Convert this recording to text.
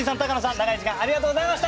長い時間ありがとうございました。